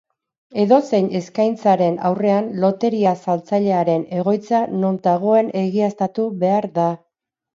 Edozein eskaintzaren aurrean loteria saltzailearen egoitza non dagoen egiaztatu behar da.